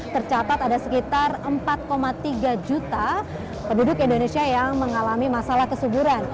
tercatat ada sekitar empat tiga juta penduduk indonesia yang mengalami masalah kesuburan